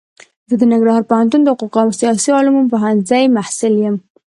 زه د ننګرهار پوهنتون د حقوقو او سیاسي علومو پوهنځي محصل يم.